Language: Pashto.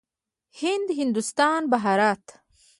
هند، هندوستان، بهارت.